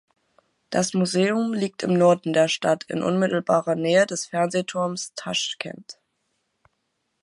Das Museum liegt im Norden der Stadt in unmittelbarer Nähe des Fernsehturms Taschkent.